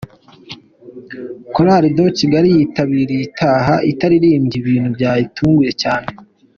Chorale de Kigali yitabiriye itaha itaririmbye ibintu byayitunguye cyane.